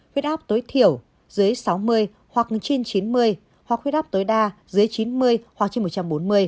huyết áp tối thiểu dưới sáu mươi hoặc trên chín mươi hoặc khuyết áp tối đa dưới chín mươi hoặc trên một trăm bốn mươi